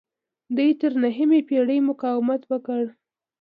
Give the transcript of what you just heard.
دوی تر نهمې پیړۍ مقاومت وکړ